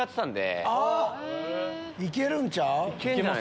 行けるんちゃう？